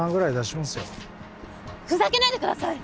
ふざけないでください！